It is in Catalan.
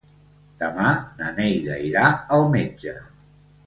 Demà na Neida irà al metge.